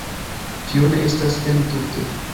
Tio ne eblas entute.